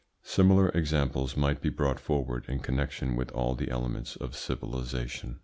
Similar examples might be brought forward in connection with all the elements of civilisation.